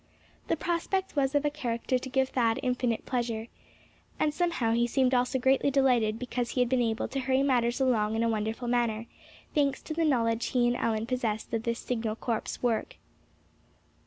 The prospect was of a character to give Thad infinite pleasure. And somehow he seemed also greatly delighted because he had been able to hurry matters along in a wonderful manner, thanks to the knowledge he and Allan possessed of this Signal Corps work.